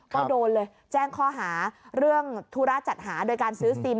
ก็โดนเลยแจ้งข้อหาเรื่องธุระจัดหาโดยการซื้อซิม